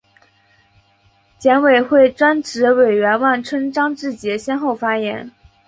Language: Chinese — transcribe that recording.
检委会专职委员万春、张志杰先后发言